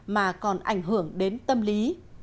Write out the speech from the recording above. mà còn ảnh hưởng đến tâm lý